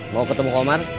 mau ketemu omar